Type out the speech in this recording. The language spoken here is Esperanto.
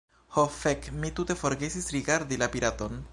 Ho fek, mi tute forgesis rigardi la piraton!